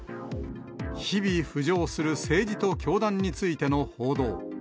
日々浮上する、政治と教団についての報道。